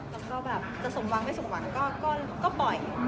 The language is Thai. แล้วก็แบบจะสมหวังไม่สมหวังก็ปล่อย